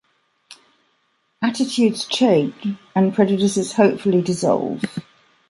Attitudes change and prejudices hopefully dissolve.